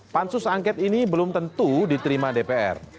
pansus angket ini belum tentu diterima dpr